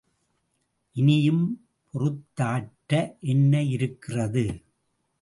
இனியும் பொறுத்தாற்ற என்ன இருக்கிறது?